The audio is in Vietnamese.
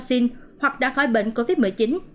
vệ sinh hoặc đã khỏi bệnh covid một mươi chín